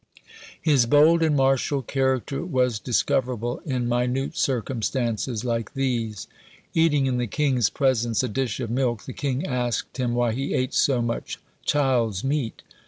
His bold and martial character was discoverable in minute circumstances like these. Eating in the king's presence a dish of milk, the king asked him why he ate so much child's meat.